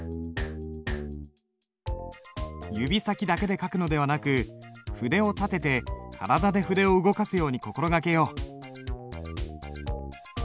指先だけで書くのではなく筆を立てて体で筆を動かすように心掛けよう。